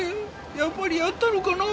やっぱりやったのかなぁ？